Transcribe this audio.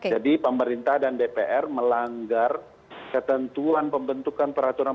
jadi pemerintah dan dpr melanggar ketentuan perbentukan peraturan